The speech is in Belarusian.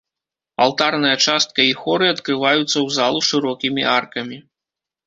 Алтарная частка і хоры адкрываюцца ў залу шырокімі аркамі.